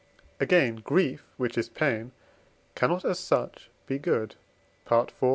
Again, grief, which is pain, cannot as such be good (IV. xli.).